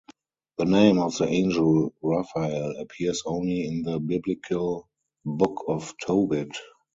The name of the angel Raphael appears only in the Biblical Book of Tobit.